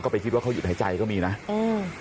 ไปคิดว่าเขาหยุดหายใจก็มีนะอืม